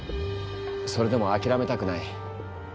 それでも諦めたくない。